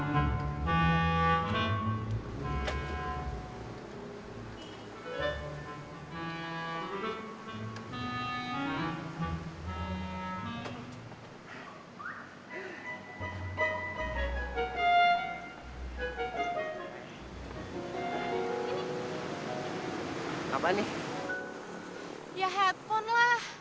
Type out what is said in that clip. ya handphone lah